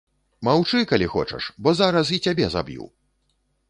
Маўчы, калі хочаш, бо зараз і цябе заб'ю!